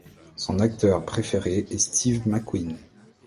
Son acteur préféré est Steve McQueen.